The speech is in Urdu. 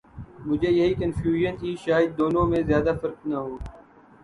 مجھے یہی کنفیوژن تھی شاید دونوں میں زیادہ فرق نہ ہو۔۔